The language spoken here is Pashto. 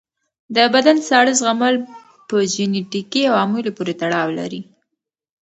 د بدن ساړه زغمل په جنیټیکي عواملو پورې تړاو لري.